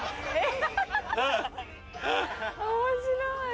面白い。